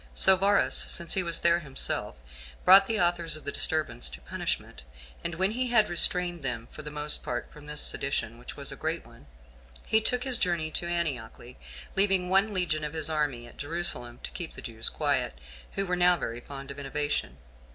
So Varus, since he was there himself, brought the authors of the disturbance to punishment; and when he had restrained them for the most part from this sedition, which was a great one, he took his journey to Antioch, leaving one legion of his army at Jerusalem to keep the Jews quiet, who were now very fond of innovation.